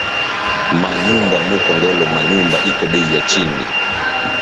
Ma nyumba mu kongolo ma nyumba iko beyi ya chini